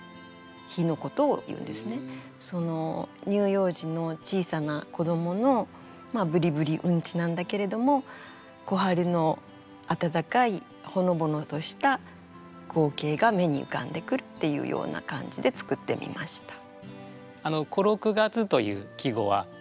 その乳幼児の小さな子どもの「ブリブリうんち」なんだけれども小春のあたたかいほのぼのとした光景が目にうかんでくるっていうような感じで作ってみました。